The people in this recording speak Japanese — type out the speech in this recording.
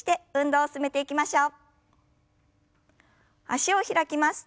脚を開きます。